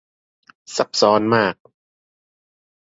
ซับซ้อนมาก